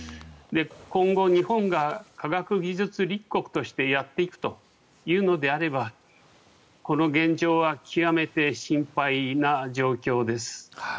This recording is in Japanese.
今後、日本が科学技術立国としてやっていくのであればこの現状は極めて心配な状況です。